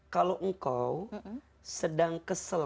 kalau engkau sedang kesal